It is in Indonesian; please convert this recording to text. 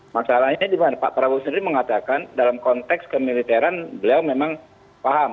masalahnya di mana pak prabowo sendiri mengatakan dalam konteks kemiliteran beliau memang paham